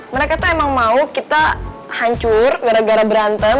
mereka tuh emang mau kita hancur gara gara berantem